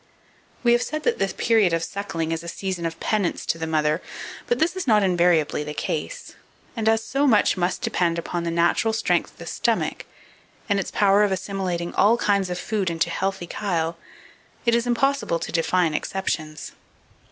2477. We have said that the period of suckling is a season of penance to the mother, but this is not invariably the case; and, as so much must depend upon the natural strength of the stomach, and its power of assimilating all kinds of food into healthy chyle, it is impossible to define exceptions.